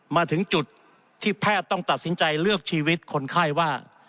มาถึงจุดที่แพทย์ต้องตัดสินใจเลือกชีวิตคนไข้ว่า